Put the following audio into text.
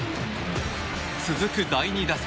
続く第２打席。